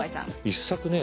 一作ね